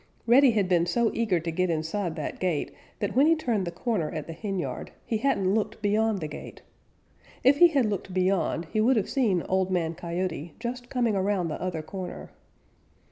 Reddy had been so eager to get inside that gate that when he turned the corner at the henyard he hadn't looked beyond the gate. If he had looked beyond, he would have seen Old Man Coyote just coming around the other corner.